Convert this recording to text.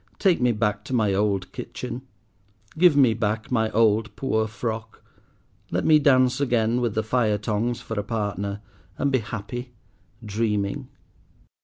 Take me back to my old kitchen. Give me back my old poor frock. Let me dance again with the fire tongs for a partner, and be happy, dreaming."